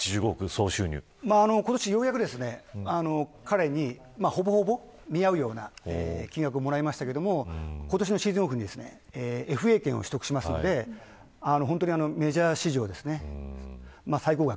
今年、ようやく彼に、ほぼほぼ見合うような金額をもらいましたが今年のシーズンオフにＦＡ権を取得しますのでメジャー史上最高額。